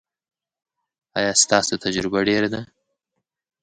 ایا ستاسو تجربه ډیره ده؟